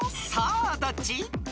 さあどっち？］